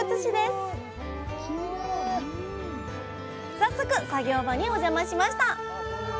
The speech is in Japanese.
早速作業場にお邪魔しました